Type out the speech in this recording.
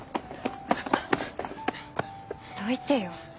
どいてよ。